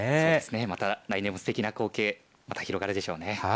また来年もすてきな光景広がるでしょうね。